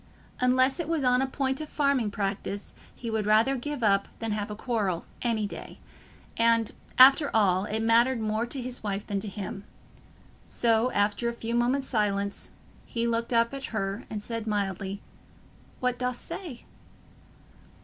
Unless it was on a point of farming practice, he would rather give up than have a quarrel, any day; and, after all, it mattered more to his wife than to him. So, after a few moments' silence, he looked up at her and said mildly, "What dost say?"